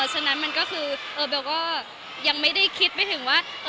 ฉะนั้นมันก็คือเบลก็ยังไม่ได้คิดไปถึงว่า